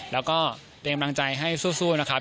แล้วก็เป็นกำลังใจให้สู้ครับ